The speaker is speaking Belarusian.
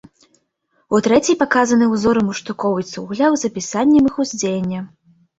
У трэцяй паказаны ўзоры муштукоў і цугляў з апісаннем іх уздзеяння.